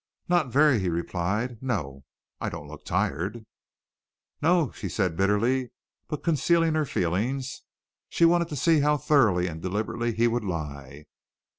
"Not very," he replied; "no. I don't look tired?" "No," she said bitterly, but concealing her feelings; she wanted to see how thoroughly and deliberately he would lie.